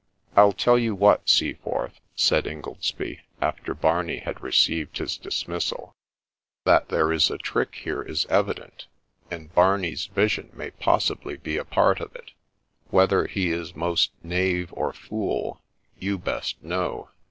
' I'll tell you what, Seaforth,' said Ingoldsby, after Barney had received his dismissal, ' that there is a trick here, is evident ; and Barney's vision may possibly be a part of it. Whether he is most knave or fool, you best know.